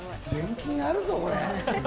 全金あるぞ。